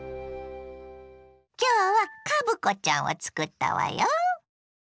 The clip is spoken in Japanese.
今日はカブコちゃんをつくったわよ。